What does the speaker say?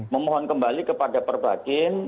memohon kembali kepada perbakin